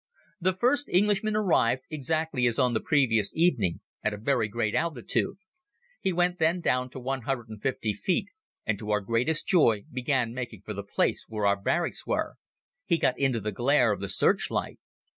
The first Englishman arrived, exactly as on the previous evening, at a very great altitude. He went then down to one hundred and fifty feet and to our greatest joy began making for the place where our barracks were. He got into the glare of the searchlight.